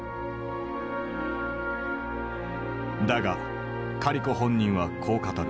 だがカリコ本人はこう語る。